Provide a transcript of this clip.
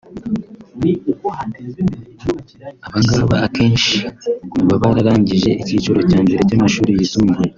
Abangaba akenshi baba bararangije icyiciro cya mbere cy’amashuri yisumbuye